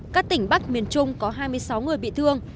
các tỉnh bắc miền trung có hai mươi sáu người bị thương